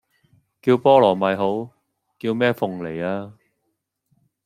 叫菠蘿咪好！叫咩鳳梨呀